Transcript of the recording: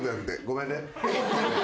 ごめんね。